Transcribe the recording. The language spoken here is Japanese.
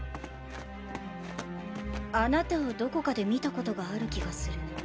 あなたをどこかで見たことがある気がする。